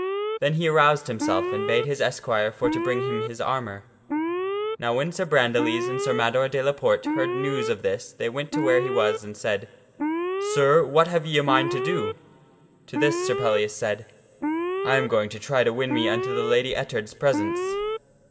Then he aroused himself and bade his esquire for to bring him his armor. Now when Sir Brandiles and Sir Mador de la Porte heard news of this they went to where he was and said, " Sir, what have ye a mind to do? " To this Sir Pellias said, " I am going to try to win me unto the Lady Ettard's presence."